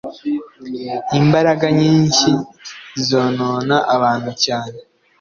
Imbaraga nyishyi zonona abantu cyane.